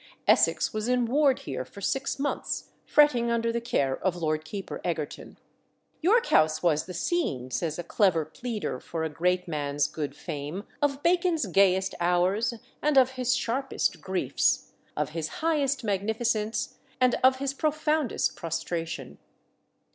Essex was in ward here for six months, fretting under the care of Lord Keeper Egerton. "York House was the scene," says a clever pleader for a great man's good fame, "of Bacon's gayest hours, and of his sharpest griefs of his highest magnificence, and of his profoundest prostration.